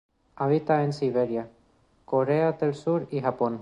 Habita en Siberia, Corea del Sur y Japón.